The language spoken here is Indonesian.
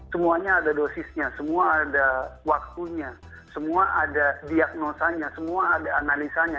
semuanya ada dosisnya semua ada waktunya semua ada diagnosanya semua ada analisanya